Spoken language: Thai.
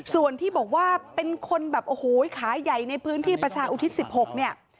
ส่วนที่บอกว่าเป็นคนแบบโอ้โหขาใหญ่ในพื้นที่ประชาอุทิศ๑๖เนี่ย